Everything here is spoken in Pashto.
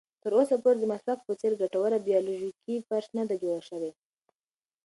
تر اوسه پورې د مسواک په څېر ګټوره بیولوژیکي فرش نه ده جوړه شوې.